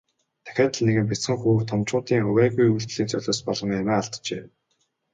Дахиад л нэгэн бяцхан хүү томчуудын увайгүй үйлдлийн золиос болон амиа алджээ.